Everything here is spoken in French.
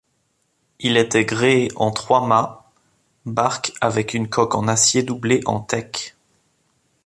Il était gréé en trois-mâts barque avec une coque en acier doublé en teck.